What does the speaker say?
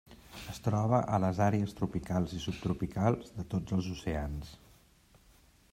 Es troba a les àrees tropicals i subtropicals de tots els oceans.